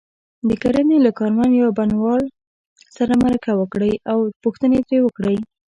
د کرنې له کارمند یا بڼوال سره مرکه وکړئ او پوښتنې ترې وکړئ.